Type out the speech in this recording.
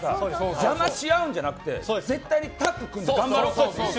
邪魔し合うんじゃなくて絶対にタッグ組んで頑張ろう！